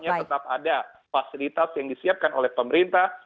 itu sebabnya tetap ada fasilitas yang disiapkan oleh pemerintah